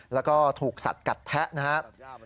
แล้วก็ถูกสัดกัดแทะนะครับ